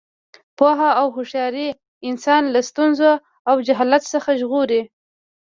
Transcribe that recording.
پوهه او هوښیاري انسان له ستونزو او جهالت څخه ژغوري.